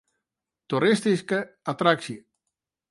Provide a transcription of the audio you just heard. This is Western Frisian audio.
Toeristyske attraksje.